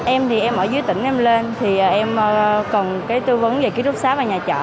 em thì em ở dưới tỉnh em lên thì em cần cái tư vấn về kỹ thuật xá và nhà chợ